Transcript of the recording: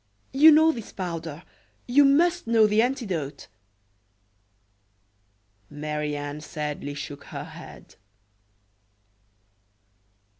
You know this powder; you must know the antidote." Marie Anne sadly shook her head.